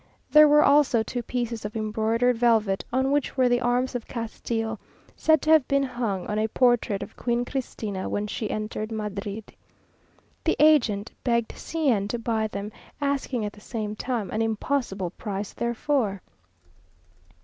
There were also two pieces of embroidered velvet, on which were the arms of Castile, said to have been hung on a portrait of Queen Cristina when she entered Madrid. The agent begged C n to buy them, asking at the same time an impossible price therefor.